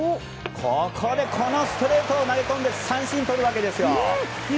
ここでこのストレートを投げ込み三振をとるわけです。